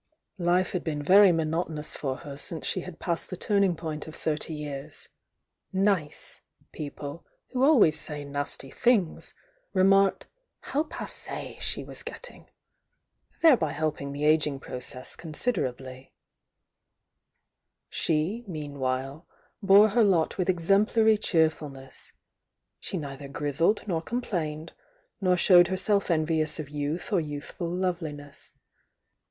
Life had been yeiy monotonous for net Jnoe she had passed the tuming pomt of thirty year8, "nice" p^ple, who S« ^f«; nf»ty things, remarked "ho47«.^e she was gett^g, —thereby helpmg the ageing process oonsiaerably She, meanwhile, bore he? lotwlthex smplanr cheerfuhiess,— she neither grizzled nor com plamed, nor showed herself envious of youth or youthful lovelmess.